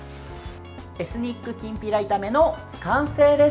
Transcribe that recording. エスニックきんぴら炒めの完成です。